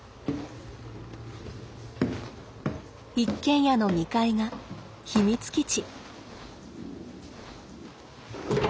一軒家の２階が秘密基地。